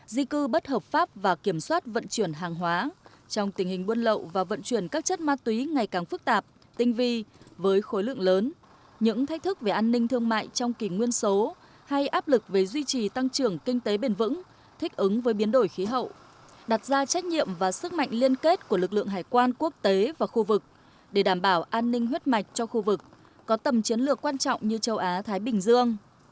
di cư bất hợp pháp và kiểm soát vận chuyển hàng hóa trong tình hình buôn lậu và vận chuyển các chất ma túy ngày càng phức tạp tinh vi với khối lượng lớn những thách thức về an ninh thương mại trong kỳ nguyên số hay áp lực về duy trì tăng trưởng kinh tế bền vững thích ứng với biến đổi khí hậu đặt ra trách nhiệm và sức mạnh liên kết của lực lượng hải quan quốc tế và khu vực để đảm bảo an ninh huyết mạch cho khu vực có tầm chiến lược quan trọng như châu á thái bình dương